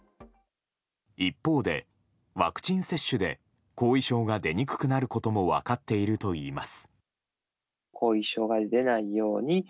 一方で、ワクチン接種で後遺症が出にくくなることも分かっているといいます。